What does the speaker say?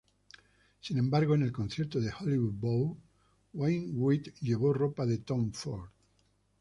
Sin embargo, en el concierto del Hollywood Bowl, Wainwright llevó ropa de Tom Ford.